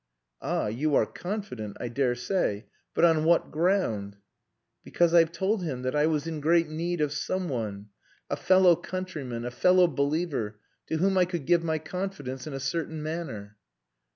"Ah! you are confident.... I dare say. But on what ground?" "Because I've told him that I was in great need of some one, a fellow countryman, a fellow believer, to whom I could give my confidence in a certain matter."